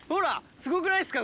すごくないですか？